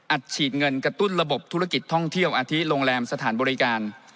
ฉีดเงินกระตุ้นระบบธุรกิจท่องเที่ยวอาทิตโรงแรมสถานบริการ